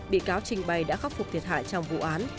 bị cáo trình bày đã khắc phục thiệt hại trong vụ án